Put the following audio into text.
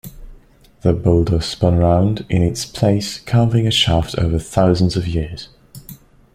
The boulder spun around in its place carving a shaft over thousands of years.